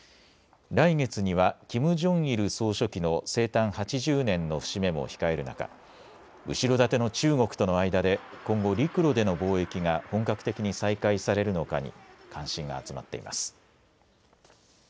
来月にはキム・ジョンイル総書記の生誕８０年の節目も控える中、後ろ盾の中国との間で今後、陸路での貿易が本格的に再開されるのかに関心が集まっています。